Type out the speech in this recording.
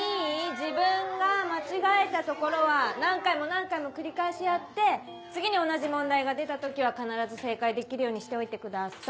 自分が間違えた所は何回も何回も繰り返しやって次に同じ問題が出た時は必ず正解できるようにしておいてください。